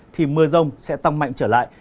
thì mưa rông sẽ tăng mạnh trở lại